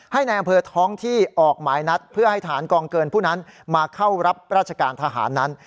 ในอำเภอท้องที่ออกหมายนัดเพื่อให้ฐานกองเกินผู้นั้นมาเข้ารับราชการทหารนั้น